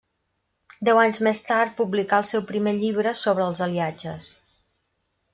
Deu anys més tard publicà el seu primer llibre sobre els aliatges.